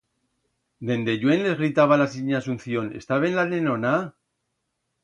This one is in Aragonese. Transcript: Dende lluent les gritaba la sinya Asunción: Está ben la nenona?